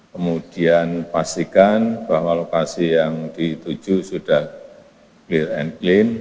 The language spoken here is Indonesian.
kemudian pastikan bahwa lokasi yang dituju sudah clear and clean